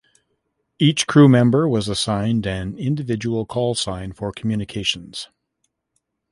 Each crew member was assigned an individual call sign for communications.